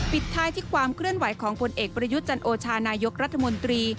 ปิดท้ายที่ความเคลื่อนไหวของผลเอกประยุทธ์จันโอชานายกรัฐมนตรี